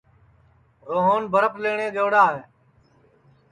روہن برپھ لئوٹؔے گئوڑا ہے